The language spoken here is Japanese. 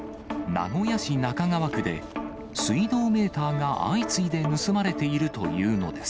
名古屋市中川区で、水道メーターが相次いで盗まれているというのです。